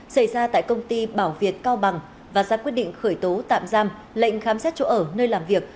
xảy ra tại công ty bảo việt cao bằng và ra quyết định khởi tố tạm giam lệnh khám xét chỗ ở nơi làm việc